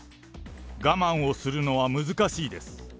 我慢をするのは難しいです。